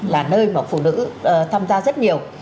là nơi mà phụ nữ tham gia rất nhiều